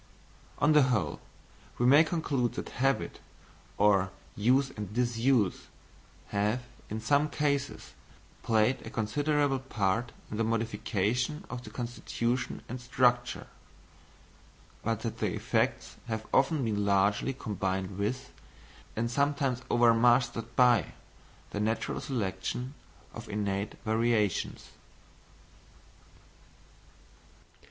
On the whole, we may conclude that habit, or use and disuse, have, in some cases, played a considerable part in the modification of the constitution and structure; but that the effects have often been largely combined with, and sometimes overmastered by, the natural selection of innate variations.